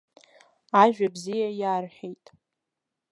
Ажәа бзиа иарҳәеит.